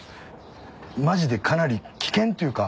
マジでかなり危険というか。